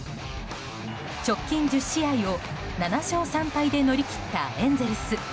直近１０試合を７勝３敗で乗り切ったエンゼルス。